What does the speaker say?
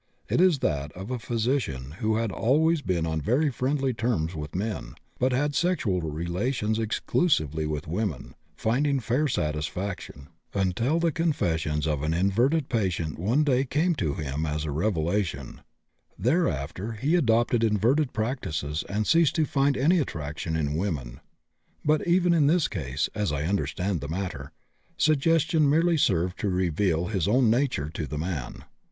It is that of a physician who had always been on very friendly terms with men, but had sexual relations exclusively with women, finding fair satisfaction, until the confessions of an inverted patient one day came to him as a revelation; thereafter he adopted inverted practices and ceased to find any attraction in women. But even in this case, as I understand the matter, suggestion merely served to reveal his own nature to the man.